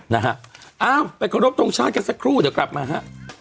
นะฮะอ้าวไปขอรบทรงชาติกันสักครู่เดี๋ยวกลับมาฮะ